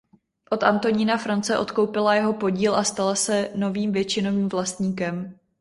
Od Antonína France odkoupila jeho podíl a stala se novým většinovým vlastníkem.